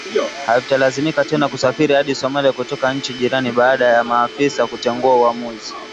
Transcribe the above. havitalazimika tena kusafiri hadi Somalia kutoka nchi jirani baada ya maafisa kutengua uamuzi